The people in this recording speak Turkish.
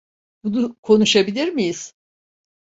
Bunu konuşabilir miyiz?